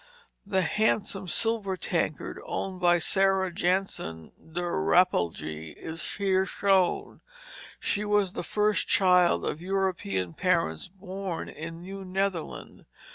The handsome silver tankard owned by Sarah Jansen de Rapelje is here shown. She was the first child of European parents born in New Netherland.